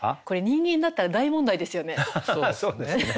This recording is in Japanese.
そうですね。